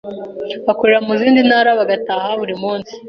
bakorera mu zindi ntara bagataha buri munsi